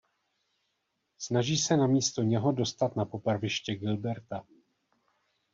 Snaží se namísto něho dostat na popraviště Gilberta.